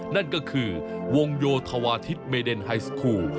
นั่นก็คือวงโยธวาทิศเมเดนไฮสคู